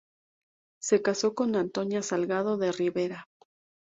Se casó con Antonia Salgado de Ribera.